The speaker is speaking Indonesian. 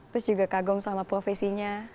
terus juga kagum sama profesinya